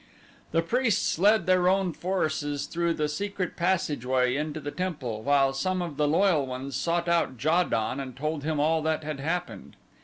The priests led their own forces through the secret passageway into the temple, while some of the loyal ones sought out Ja don and told him all that had happened.